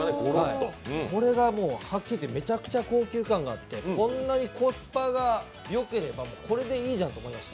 これがもう、はっきり言ってめちゃくちゃ高級感があってこんなにコスパがよければ、これでいいじゃんって思いました。